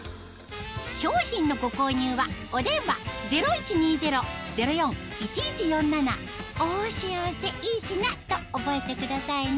商品のご購入はお電話０１２０−０４−１１４７と覚えてくださいね